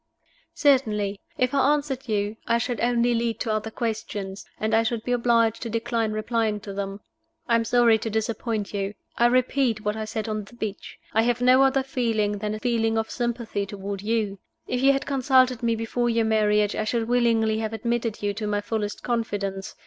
"Certainly. If I answered you, I should only lead to other questions, and I should be obliged to decline replying to them. I am sorry to disappoint you. I repeat what I said on the beach I have no other feeling than a feeling of sympathy toward you. If you had consulted me before your marriage, I should willingly have admitted you to my fullest confidence.